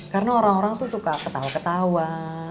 karena orang orang tuh suka ketawa ketawa